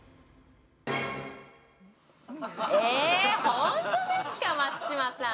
ホントですか松嶋さん